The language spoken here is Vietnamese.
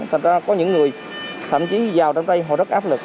thật ra có những người thậm chí vào trong đây họ rất áp lực